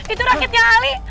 itu rakitnya ali